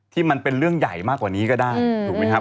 มันเป็นเรื่องใหญ่มากกว่านี้ก็ได้ถูกไหมครับ